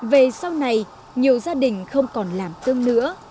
về sau này nhiều gia đình không còn làm tương nữa